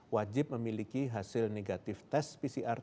wajib memiliki hasil negatif tes pcr tiga x dua puluh empat jam